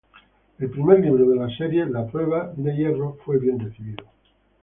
El primer libro de la serie, "La Prueba de" "Hierro", fue bien recibido.